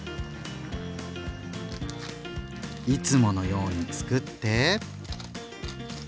いつものようにつくって。